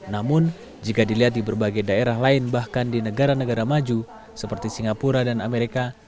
namun jika dilihat di berbagai daerah lain bahkan di negara negara maju seperti singapura dan amerika